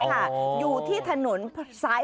ตามภาพมาก